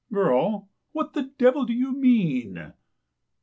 " Girl? What the devil do you mean!